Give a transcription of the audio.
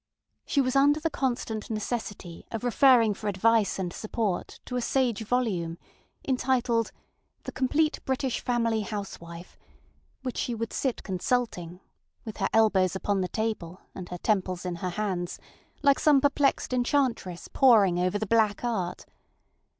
ŌĆ£She was under the constant necessity of referring for advice and support to a sage volume, entitled ŌĆśThe Complete British Family Housewife, ŌĆÖ which she would sit consulting, with her elbows upon the table, and her temples in her hands, like some perplexed enchantress poring over the Black Art.